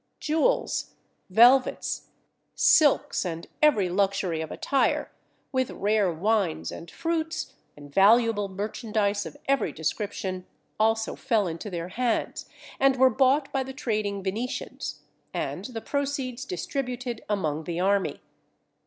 Jewels, velvets, silks, and every luxury of attire, with rare wines and fruits, and valuable merchandise of every description, also fell into their hands, and were bought by the trading Venetians, and the proceeds distributed among the army.